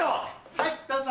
はいどうぞ。